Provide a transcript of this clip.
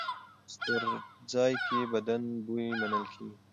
په سپورتځای کې بدن بوی منل کېږي.